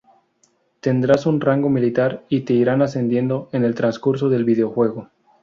Tendrás un rango militar y te irán ascendiendo en el transcurso del videojuego.